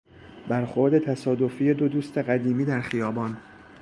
برخورد تصادفی دو دوست قدیمی در خیابان